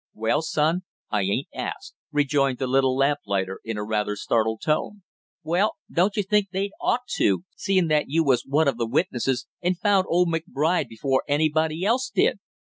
"Well, son, I ain't asked!" rejoined the little lamplighter in a rather startled tone. "Well, don't you think they'd ought to, seeing that you was one of the witnesses, and found old Mr. McBride before anybody else did?"